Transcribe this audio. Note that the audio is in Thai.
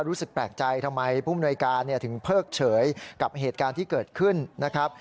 รู้สึกแปลกใจทำไมผู้มนวยการถึงเพิกเฉยกับเหตุการณ์ที่เกิดขึ้นนะครับ